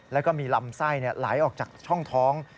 แล้วก็มีลำไส้ไหลออกจากช่องท้อง